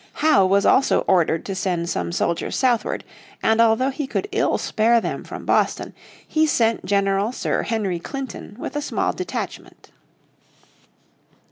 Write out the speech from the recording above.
Howe was also ordered to send some soldiers southward, and although he could ill spare them from Boston he sent General Sir Henry Clinton with a small detachment.